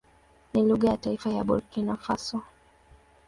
Ni lugha ya taifa ya Burkina Faso.